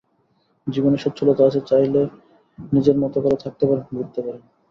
জীবনে সচ্ছলতা আছে, চাইলে নিজের মতো করে থাকতে পারেন, ঘুরতে পারেন।